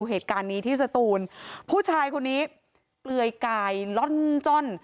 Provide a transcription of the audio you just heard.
เหตุการณ์นี้ที่สตูนผู้ชายคนนี้เปลือยกายล่อนจ้อน